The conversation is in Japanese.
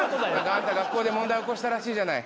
あんた学校で問題起こしたらしいじゃない。